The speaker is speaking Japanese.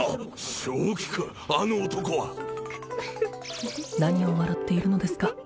正気かあの男は何を笑っているのですか